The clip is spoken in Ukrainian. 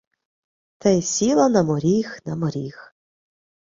Та й сіла на моріг, на моріг